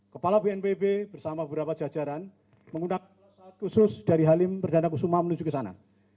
kepala bnpb bersama beberapa jajaran menggunakan pesawat khusus dari halim perdana kusuma menuju ke sana